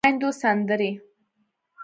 د ميندو سندرې